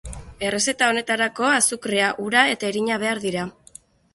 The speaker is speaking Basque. Errezeta honetarako azukrea, ura eta irina behar dira.